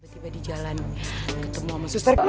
tiba di jalan ketemu sama suster